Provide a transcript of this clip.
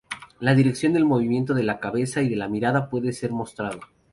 La dirección del movimiento de la cabeza y de la mirada puede ser mostrado.